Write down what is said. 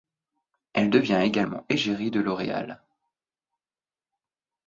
Elle devient également égérie de L’Oréal.